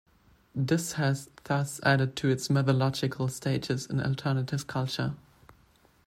This has thus added to its mythological status in alternative culture.